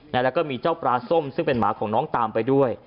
แล้วก็มีเจ้าปลาส้มซึ่งเป็นหมาของน้องตามไปด้วย